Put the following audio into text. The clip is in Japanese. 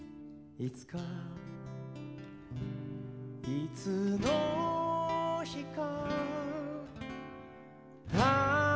「いつかいつの日か」